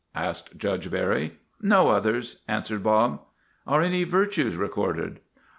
" asked Judge Barry. " No others," answered Bob. * Are any virtues recorded